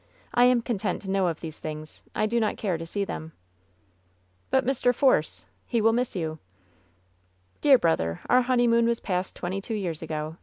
I am content to know of these things. I do not care to see them." "But Mr. Force ? He will miss you." "Dear brother, our honeymoon was passed twenty two years ago.